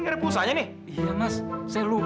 nggak ada bunanya amat ini sekarang sekarang sekarang